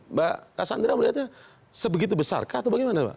mbak kasandra melihatnya sebegitu besarkah atau bagaimana mbak